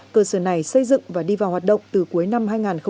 cơ sở này xây dựng và đi vào hoạt động từ cuối năm hai nghìn hai mươi